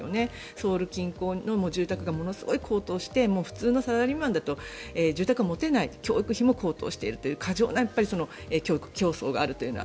ソウル近郊の住宅がものすごい高騰して普通のサラリーマンだと住宅が持てない教育費も高騰しているという過剰な教育競争があるというような。